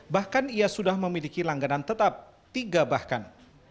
bahkan ia sudah memiliki langganan tetap tiga bahkan